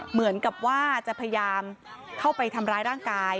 เหมือนกับว่าจะพยายามเข้าไปทำร้ายร่างกาย